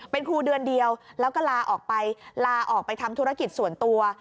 เป็นครูเดือนเดียวแล้วก็ลาออกไปลาออกไปทำธุรกิจส่วนตัว